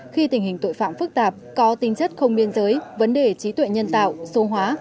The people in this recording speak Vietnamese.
khi tình hình tội phạm phức tạp có tính chất không biên giới vấn đề trí tuệ nhân tạo số hóa